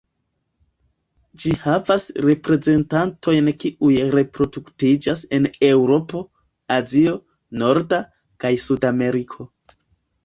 Ĝi havas reprezentantojn kiuj reproduktiĝas en Eŭropo, Azio, Norda, kaj Sud-Ameriko.